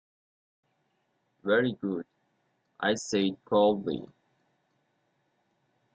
"Very good," I said coldly.